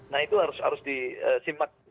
nah itu harus disimat